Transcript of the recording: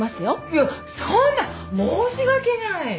いやそんな申し訳ない。